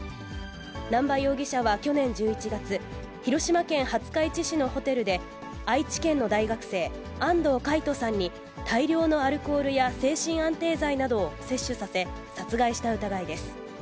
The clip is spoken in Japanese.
南波容疑者は去年１１月、広島県廿日市市のホテルで、愛知県の大学生、安藤魁人さんに、大量のアルコールや精神安定剤などを摂取させ、殺害した疑いです。